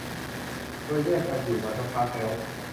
โดยแยกกันอยู่มาสักพักแล้ว